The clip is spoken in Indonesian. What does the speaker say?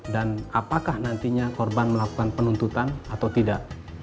dan apakah nantinya korban melakukan penuntutan atau tidak